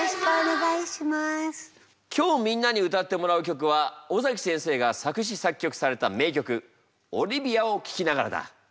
今日みんなに歌ってもらう曲は尾崎先生が作詞作曲された名曲「オリビアを聴きながら」だ。